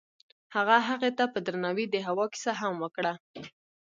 هغه هغې ته په درناوي د هوا کیسه هم وکړه.